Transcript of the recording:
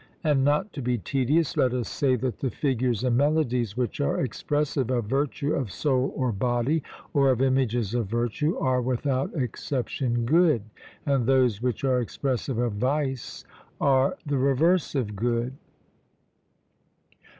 And not to be tedious, let us say that the figures and melodies which are expressive of virtue of soul or body, or of images of virtue, are without exception good, and those which are expressive of vice are the reverse of good.